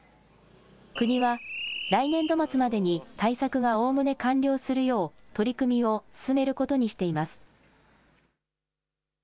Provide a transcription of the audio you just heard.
国は、来年度末までに対策がおおむね完了するよう、取り組みを進めることにしています。